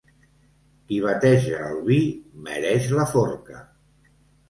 Qui bateja el vi mereix la forca.